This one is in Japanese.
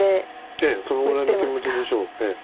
ええそのぐらいの気持ちでしょう。